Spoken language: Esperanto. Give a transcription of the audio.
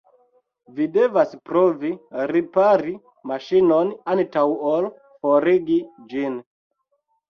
Vi devas provi ripari maŝinon antaŭ ol forigi ĝin.